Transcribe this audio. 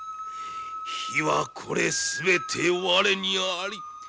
非はこれ全て我にあり。